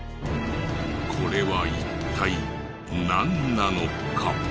これは一体なんなのか？